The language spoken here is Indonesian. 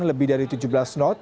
lebih dari tujuh belas knot